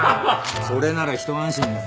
それならひと安心だ。